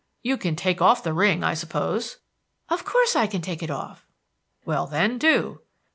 "You can take off the ring, I suppose." "Of course I can take it off." "Well, then, do."